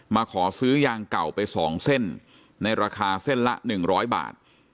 มาขอซื้อยางเก่าไปสองเส้นในราคาเส้นละหนึ่งร้อยบาท